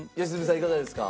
いかがですか？